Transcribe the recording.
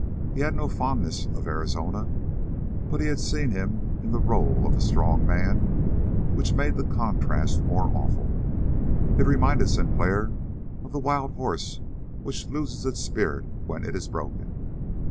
He had no fondness of Arizona, but he had seen him in the role of a strong man, which made the contrast more awful. It reminded Sinclair of the wild horse which loses its spirit when it is broken.